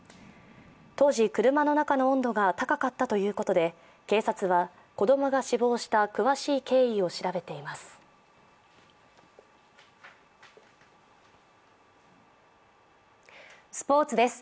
当時、車の中の温度が高かったということで警察は子供が死亡した詳しい経緯を調べています。